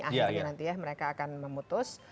akhirnya nanti ya mereka akan memutus